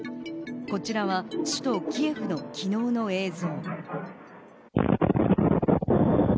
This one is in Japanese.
こちらは首都キエフの昨日の映像。